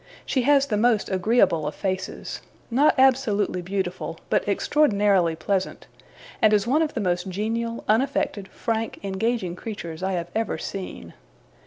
She has the most agreeable of faces, not absolutely beautiful, but extraordinarily pleasant, and is one of the most genial, unaffected, frank, engaging creatures I have ever seen.